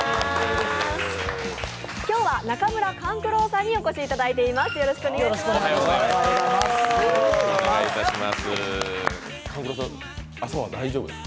今日は中村勘九郎さんにお越しいただいています。